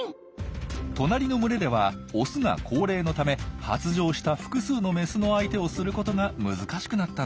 隣の群れではオスが高齢のため発情した複数のメスの相手をすることが難しくなったんです。